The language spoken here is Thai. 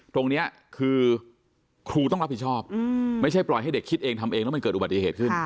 ตรงนี้คือครูต้องรับผิดชอบไม่ใช่ปล่อยให้เด็กคิดเองทำเองแล้วมันเกิดอุบัติเหตุขึ้น